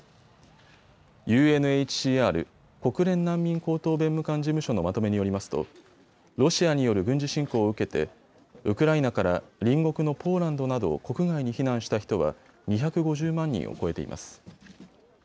ＵＮＨＣＲ・国連難民高等弁務官事務所のまとめによりますとロシアによる軍事侵攻を受けてウクライナから隣国のポーランドなど国外に避難した人は２５０万人を超えています。